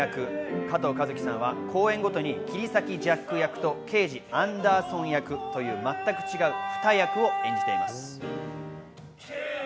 加藤和樹さんは公演ごとに切り裂きジャック役と刑事・アンダーソン役という全く違う２役を演じています。